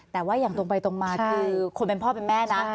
แต่ว่าอย่างตรงไปตรงมาคือคนเป็นพ่อเป็นแม่นะ